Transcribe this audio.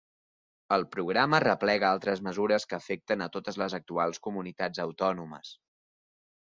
El programa replega altres mesures que afecten a totes les actuals comunitats autònomes.